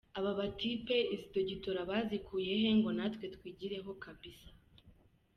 Aba ba types izi dogitora bazikuyehe ngo natwe twigireyo kabisa!!??